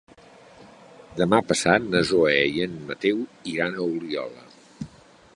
Demà passat na Zoè i en Mateu iran a Oliola.